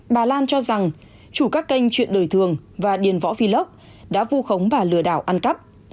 bà lan cho rằng chủ các kênh chuyện đời thường và điền võ philog đã vu khống và lừa đảo ăn cắp